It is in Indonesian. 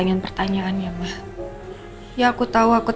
sekarang prima noodlesnya campurin ke kuburnu